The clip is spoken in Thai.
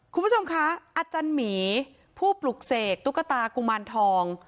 คุณผู้ชมคะอาจารย์หมีผู้ปลุกเสกตุ๊กตากุมารทอง